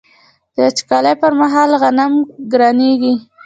د وچکالۍ پر مهال غنم ګرانیږي.